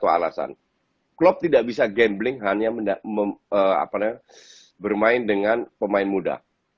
satu alasan klub tidak bisa gambling hanya bermain dengan pemain muda